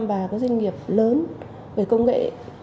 và các doanh nghiệp lớn về công nghệ